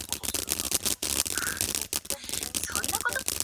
Francis re-purchases the garden and discovers the treasure.